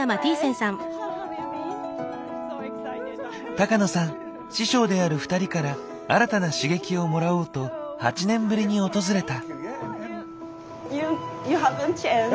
高野さん師匠である２人から新たな刺激をもらおうと８年ぶりに訪れた。